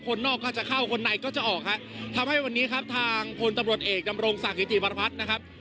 คนนอกก็จะเข้าคนในก็จะออกฮะทำให้วันนี้ครับทางพลตำรวจเอกดำรงศักดิติบรพัฒน์นะครับ